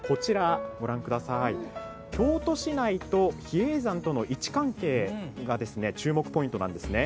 さらに京都市内と比叡山との位置関係が注目ポイントなんです。